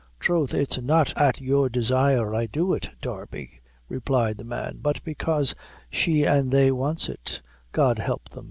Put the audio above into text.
"Troth it's not at your desire I do it, Darby," replied the man; "but bekase she an' they wants it, God help them.